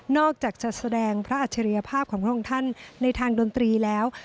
อกจากจะแสดงพระอัจฉริยภาพของพระองค์ท่านในทางดนตรีแล้ว